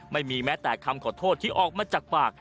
ไม่มีแม้แต่คำขอโทษที่ออกมาจากปาก